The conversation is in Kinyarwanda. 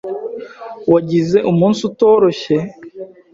Wagize umunsi utoroshye?